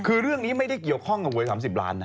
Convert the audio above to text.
คือเรื่องนี้ไม่ได้เกี่ยวข้องกับหวย๓๐ล้านนะ